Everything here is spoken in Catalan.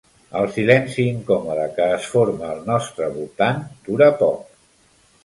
El silenci incòmode que es forma al nostre voltant dura poc.